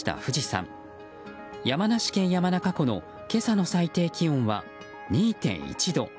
山梨県山中湖の今朝の最低気温は２．１度。